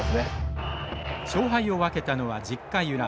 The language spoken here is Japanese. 勝敗を分けたのは１０回裏。